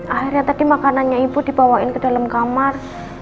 akhirnya tadi makanannya ibu dibawain ke dalam kamar